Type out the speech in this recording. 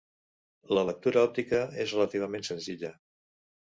La lectura òptica és relativament senzilla.